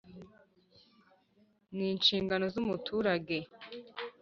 N inshingano z umuturage